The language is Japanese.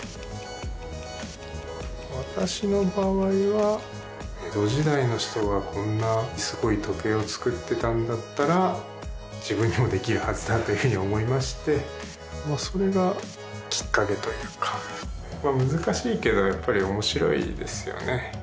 私の場合は江戸時代の人がこんなすごい時計をつくってたんだったら自分にもできるはずだというふうに思いましてそれがきっかけというか難しいけどやっぱり面白いですよね